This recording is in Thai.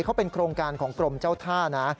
เขาเป็นโครงการของกรมเจ้าท่านะ